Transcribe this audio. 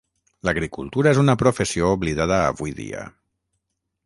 L'agricultura és una professió oblidada avui dia.